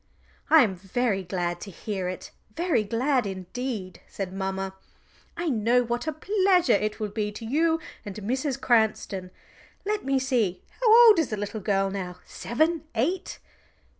"I am very glad to hear it very glad indeed," said mamma. "I know what a pleasure it will be to you and Mrs. Cranston. Let me see how old is the little girl now seven, eight?"